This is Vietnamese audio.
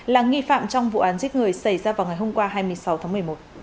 là nghi phạm trong vụ án giết người xảy ra vào ngày hôm qua hai mươi sáu tháng một mươi một